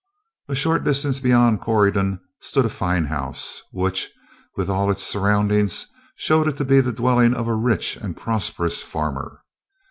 A short distance beyond Corydon stood a fine house, which, with all its surroundings, showed it to be the dwelling of a rich and prosperous farmer.